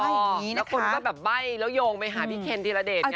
แล้วคนก็แต่ใบ้ยงไปหาพี่เคนธีรเดชก่อน